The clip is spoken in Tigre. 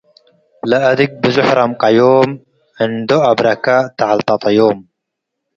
ወለአድግ ብዞሕ ረምቀዮምራ፡ እንዶ አብረከ ተዐልጠጠዮም።